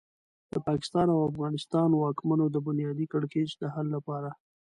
د پاکستان او افغانستان واکمنو د بنیادي کړکېچ د حل لپاره.